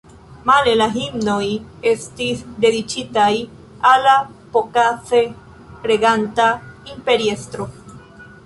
Male la himnoj estis dediĉitaj al la pokaze reganta imperiestro.